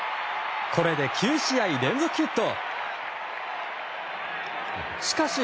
これで９試合連続ヒット。